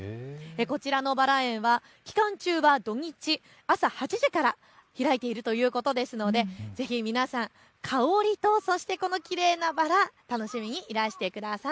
こちらのバラ園では期間中は土日、朝８時から開いているということですのでぜひ皆さん、香りときれいなバラ、楽しみにいらしてください。